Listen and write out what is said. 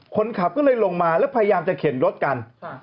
คนขับก็เลยลงมาแล้วพยายามจะเข็นรถกัน